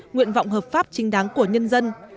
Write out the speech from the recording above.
nguyện vọng hợp pháp chính đáng của nhân dân